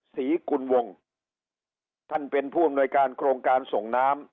ศรีกุลวงศ์ท่านเป็นห้วงหน้าการโคลงการส่งน้ำ